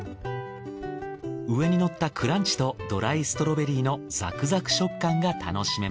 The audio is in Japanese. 上にのったクランチとドライストロベリーのザクザク食感が楽しめます。